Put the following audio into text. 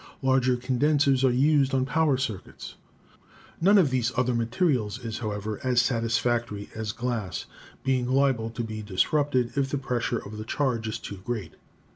Larger condensers are used on power circuits. None of these other materials is, however, as satisfactory as glass, being liable to be dis rupted if the pressure of the charge is too great.